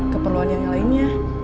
keperluan yang lainnya